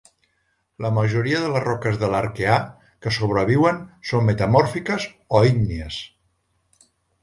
La majoria de les roques de l'Arqueà que sobreviuen són metamòrfiques o ígnies.